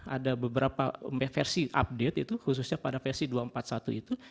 ada beberapa versi update itu khususnya pada versi dua ratus empat puluh satu itu